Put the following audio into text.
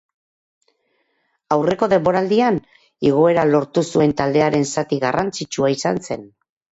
Aurreko denboraldian igoera lortu zuen taldearen zati garrantzitsua izan zen.